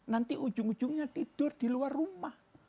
nanti ujung ujungnya tidur di luar rumah